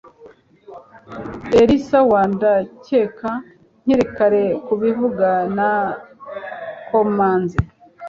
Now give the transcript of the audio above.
er ... sawa, ndakeka. nkiri kare kubivuga, nakomanze